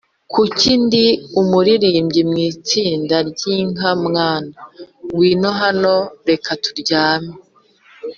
kuki ndi umuririmbyi mu itsinda ryinkmwana, ngwino hano, reka turyame